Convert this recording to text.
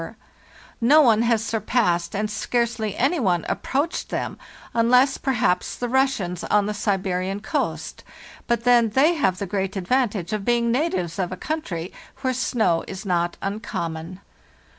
No 24 FARTHEST NORTH one has surpassed and scarcely any one approached them, unless, perhaps, the Russians on the Siberian coast; but then they have the great advantage of being natives of a country where snow is not uncommon.